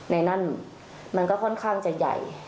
ในนั้นมันก็ค่อนข้างจะใหญ่